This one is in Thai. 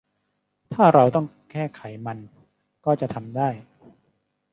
ถ้าเราต้องแก้ไขมันก็จะทำได้